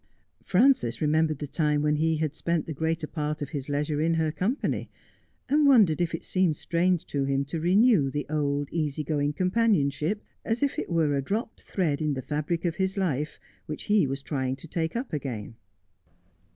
Frances remembered the time when he had spent the greater part of his leisure in her company, and wondered if it seemed strange to him to renew the old easy going companionship, as if it were a dropped thread in the fabric of his life, which he was trying to take up again.